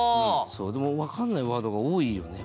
でも分かんないワードが多いよね。